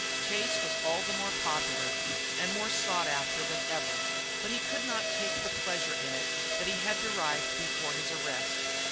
Chase was all the more popular, and more sought after than ever, but he could not take the pleasure in it that he had derived before his arrest.